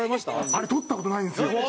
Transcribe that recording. あれ撮った事ないんですよ。